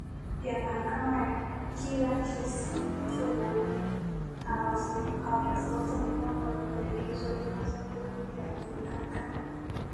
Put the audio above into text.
ya mahakama ya kila kesi Truman hawakufuata mpango uliopendekezwaDzhon Guver pia anajulikana kama